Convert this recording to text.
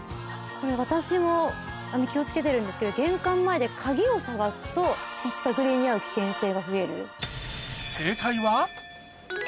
私も気を付けてるんですけど玄関前で鍵を探すとひったくりに遭う危険性が増える。